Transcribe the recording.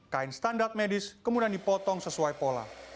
kain standar medis kemudian dipotong sesuai pola